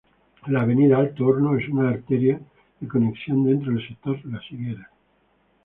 La avenida Alto Horno es una arteria de conexión dentro del sector Las Higueras.